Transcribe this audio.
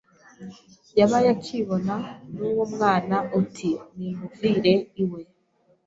yabaye akibona n’uwo mwana uti nimuvire iwe